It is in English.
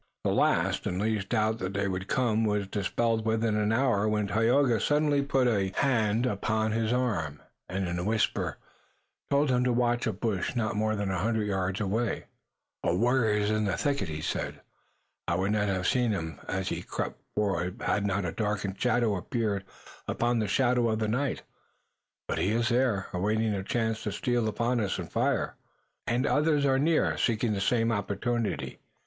The last and least doubt that they would come was dispelled within an hour when Tayoga suddenly put a hand upon his arm, and, in a whisper, told him to watch a bush not more than a hundred yards away. "A warrior is in the thicket," he said. "I would not have seen him as he crept forward had not a darker shadow appeared upon the shadow of the night. But he is there, awaiting a chance to steal upon us and fire." "And others are near, seeking the same opportunity."